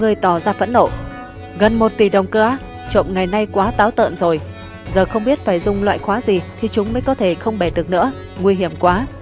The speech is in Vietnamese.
người tỏ ra phẫn nộ gần một tỷ đồng cỡ trộm ngày nay quá táo tợn rồi giờ không biết phải dùng loại khóa gì thì chúng mới có thể không bẻ được nữa nguy hiểm quá